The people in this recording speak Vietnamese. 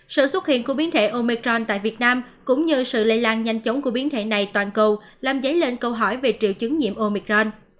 sự xuất hiện của biến thể omecron tại việt nam cũng như sự lây lan nhanh chóng của biến thể này toàn cầu làm dấy lên câu hỏi về triệu chứng nhiễm omicron